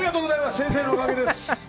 先生のおかげです。